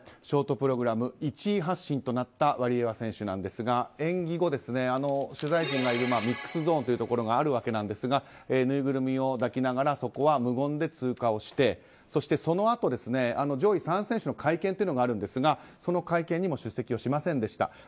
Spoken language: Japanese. ショートプログラム１位発進となったワリエワ選手なんですが演技後、取材陣がいるミックスゾーンというところがあるわけなんですがぬいぐるみを抱きながらそこは無言で通過をしてそして、そのあと上位３選手の会見というのがあるんですがその会見にも出席しませんでした。